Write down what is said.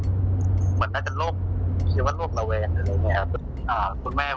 เหมือนน่าจะโลกคิดว่าโลกระแวงหรืออะไรไงครับ